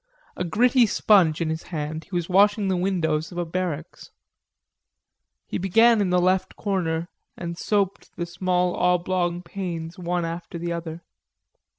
A gritty sponge in his hand, he was washing the windows of a barracks. He began in the left hand corner and soaped the small oblong panes one after the other.